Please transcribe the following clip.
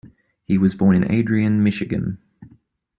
He was born in Adrian, Michigan.